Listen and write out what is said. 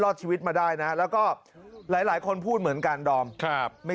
ชีวิตมาได้นะแล้วก็หลายคนพูดเหมือนกันดอมครับไม่